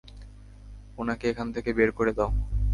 ওনাকে এখান থেকে বের করে দাও!